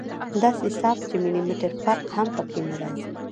داسې صاف چې ملي مټر فرق هم پکښې نه رځي.